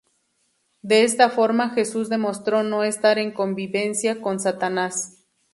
De esta forma, Jesús demostró no estar en convivencia con Satanás.